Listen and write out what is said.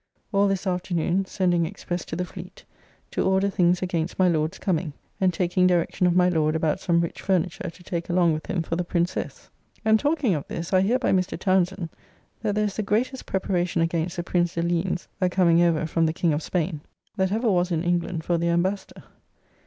All this afternoon sending express to the fleet, to order things against my Lord's coming and taking direction of my Lord about some rich furniture to take along with him for the Princess! [Mary, Princess Royal and Princess of Orange, who died in December of this year.] And talking of this, I hear by Mr. Townsend, that there is the greatest preparation against the Prince de Ligne's a coming over from the King of Spain, that ever was in England for their Embassador.